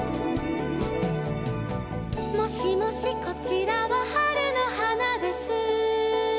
「もしもしこちらは春の花です」